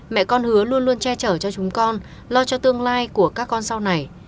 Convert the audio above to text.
mẹ con hứa luôn luôn che chở cho chúng con lo cho tương lai của các con sau này